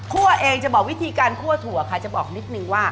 เองจะบอกวิธีการคั่วถั่วค่ะจะบอกนิดนึงว่า